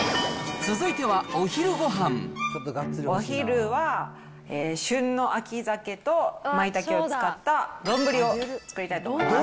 お昼は、旬の秋ザケとまいたけを使った丼を作りたいと思います。